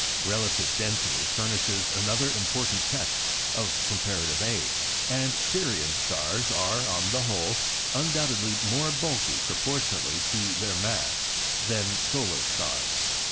Relative density furnishes another important test of comparative age, and Sirian stars are, on the whole, undoubtedly more bulky proportionately to their mass than solar stars.